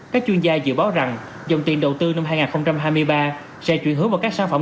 các chuyên gia dự báo rằng dòng tiền đầu tư năm hai nghìn hai mươi ba sẽ chuyển hướng vào các sản phẩm